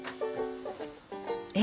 え？